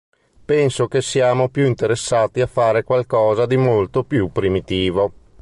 Penso che siamo più interessati a fare qualcosa di molto più primitivo.